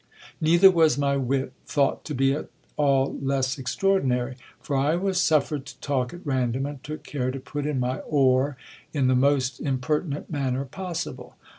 Neither was my wit thought to be at all less extraordinary ; for I was suffered to talk at random, and took care to put in my oar in the most imper tinent manner possible.